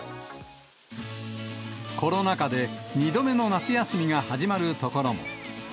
コロナ禍で２度目の夏休みが始まる所も。